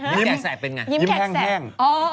ยิ้มแห้ง